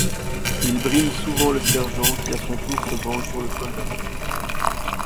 Ils briment souvent le sergent, qui à son tour se venge sur le soldat.